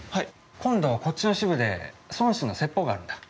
今度こっちの支部で尊師の説法があるんだ。